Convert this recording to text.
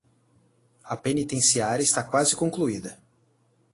A penitenciária está quase concluída